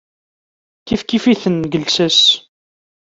Kifkif-iten deg llsas.